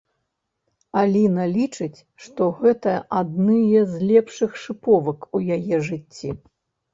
Аліна лічыць, што гэта адныя з лепшых шыповак у яе жыцці.